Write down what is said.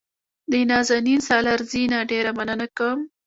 د نازنین سالارزي نه ډېره مننه کوم.